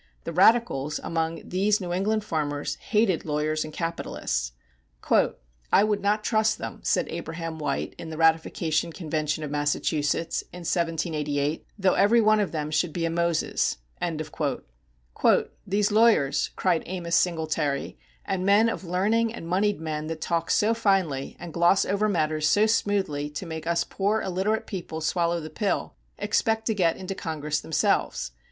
The radicals among these New England farmers hated lawyers and capitalists. "I would not trust them," said Abraham White, in the ratification convention of Massachusetts, in 1788, "though every one of them should be a Moses." "These lawyers," cried Amos Singletary, "and men of learning and moneyed men that talk so finely and gloss over matters so smoothly to make us poor illiterate people swallow the pill, expect to get into Congress themselves!